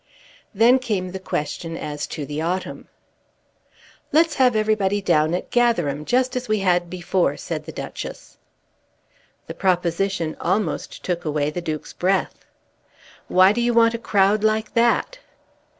Then came the question as to the autumn. "Let's have everybody down at Gatherum, just as we had before," said the Duchess. The proposition almost took away the Duke's breath. "Why do you want a crowd, like that?"